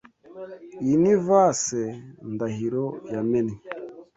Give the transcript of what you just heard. Iyi ni vase Ndahiro yamennye.